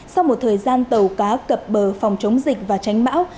sau một thời gian tàu cá cập bờ phòng chống dịch và tránh bão